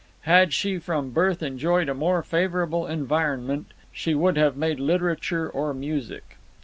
Had she from birth enjoyed a more favourable environment, she would have made literature or music.